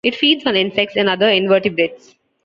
It feeds on insects and other invertebrates.